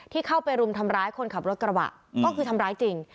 ที่เข้าไปรุมทำร้ายคนขับรถกระบะก็คือทำร้ายจริง